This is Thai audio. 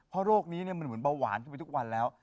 เพราะโรคนี้มันเหมือนเบาหวานขึ้นไปทุกวันแล้ว